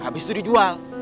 habis itu dijual